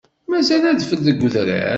Mazal adfel deg udrar.